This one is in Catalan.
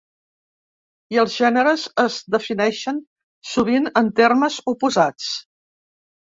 I els gèneres es defineixen sovint en termes oposats.